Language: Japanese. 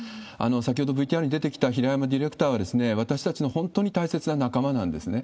先ほどＶＴＲに出てきた平山ディレクターは、私たちの本当に大切な仲間なんですね。